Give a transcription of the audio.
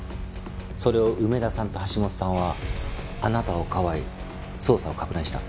それを梅田さんと橋下さんはあなたをかばい捜査を攪乱した。